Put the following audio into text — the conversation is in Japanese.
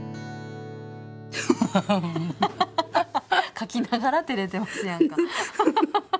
書きながらてれてますやんか。